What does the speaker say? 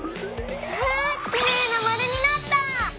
わあきれいなまるになった！